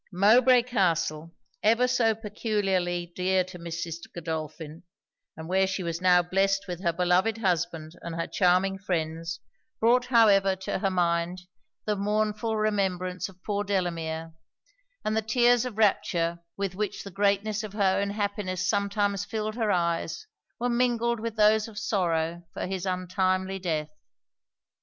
Mowbray Castle, ever so peculiarly dear to Mrs. Godolphin, and where she was now blessed with her beloved husband and her charming friends, brought however to her mind the mournful remembrance of poor Delamere; and the tears of rapture with which the greatness of her own happiness sometimes filled her eyes, were mingled with those of sorrow for his untimely death.